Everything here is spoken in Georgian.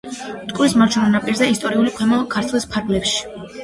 მტკვრის მარჯვენა ნაპირზე, ისტორიული ქვემო ქართლის ფარგლებში.